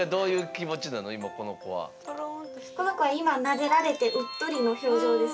この子は今なでられてうっとりの表情です。